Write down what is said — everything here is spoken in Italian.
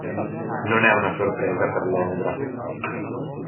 Non è una sorpresa per Londra.